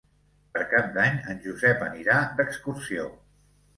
Per Cap d'Any en Josep anirà d'excursió.